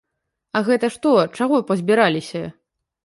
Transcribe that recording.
А гэта што, чаго пазбіраліся?